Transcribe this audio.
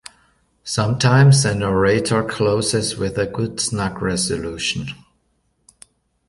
Sometimes an orator closes with a good snug resolution.